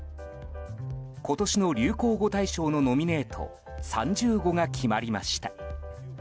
今年の流行語大賞のノミネート３０語が決まりました。